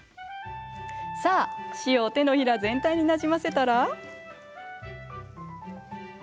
さあ塩を手のひら全体になじませたら。